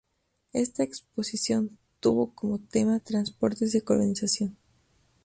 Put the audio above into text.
Esta exposición tuvo como tema "Transportes y Colonización".